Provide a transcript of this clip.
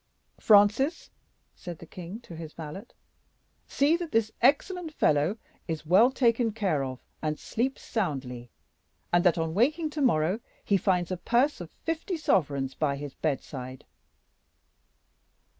"Francis," said the king to his valet, "see that this excellent fellow is well taken care of and sleeps soundly, and that on waking to morrow he finds a purse of fifty sovereigns by his bedside."